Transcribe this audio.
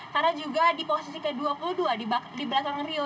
karena juga di posisi ke dua puluh dua di belakang rio